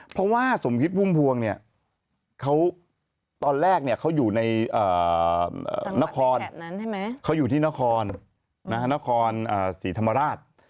เพราะว่าสมคิตพุ่มพวงเนี่ยเขาตอนแรกเขาอยู่ในนครสีธรรมราช